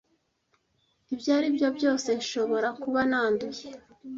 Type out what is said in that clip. Ibyo aribyo byose nshobora kuba nanduye.